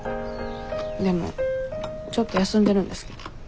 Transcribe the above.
でもちょっと休んでるんですけど。